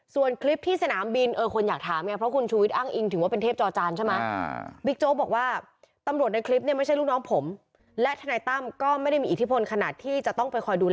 ส่วนคลิปที่สนามบิน